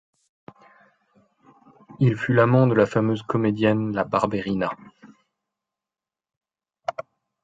Il fut l'amant de la fameuse comédienne La Barberina.